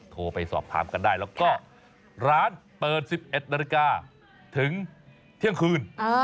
โทรไปสอบถามกันได้แล้วก็ร้านเปิด๑๑นาฬิกาถึงเที่ยงคืน